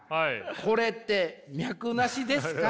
これって脈なしですか？